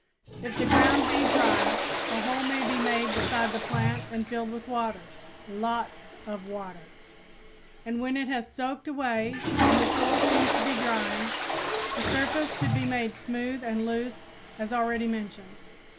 If the ground be dry a hole may be made beside the plant and filled with water LOTS OF WATER and when it has soaked away and the soil seems to be drying, the surface should be made smooth and loose as already mentioned.